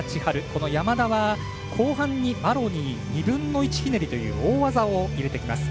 この山田は、後半にマロニー２分の１ひねりという大技を入れてきます。